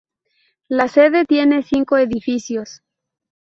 La sede tiene cinco edificios.